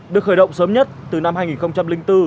được khởi động sớm nhất từ năm hai nghìn bốn